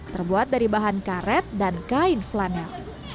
terbuat dari bahan karet dan kain flanel